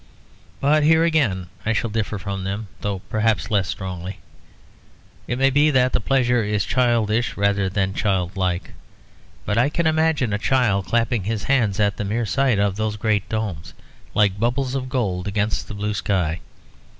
But here again I shall differ from them, though perhaps less strongly. It may be that the pleasure is childish rather than childlike; but I can imagine a child clapping his hands at the mere sight of those great domes like bubbles of gold against the blue sky.